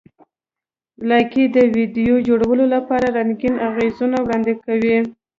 لایکي د ویډیو جوړولو لپاره رنګین اغېزونه وړاندې کوي.